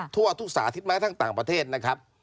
ทั่วทุกสาธิตแม้ทั้งต่างประเทศนะครับ